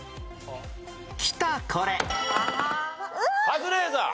カズレーザー。